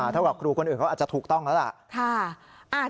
เท่ากับครูคนอื่นเขาอาจจะถูกต้องแล้วล่ะ